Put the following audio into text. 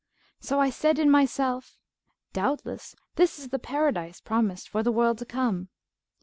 So I said in myself, 'Doubtless this is the Paradise promised for the world to come.'